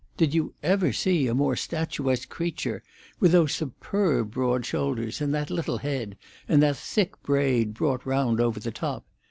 "Did you ever see a more statuesque creature—with those superb broad shoulders and that little head, and that thick braid brought round over the top?